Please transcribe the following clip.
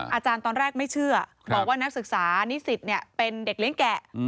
อาจารย์ตอนแรกไม่เชื่อบอกว่านักศึกษานิสิตเป็นเด็กเลี้ยงแก่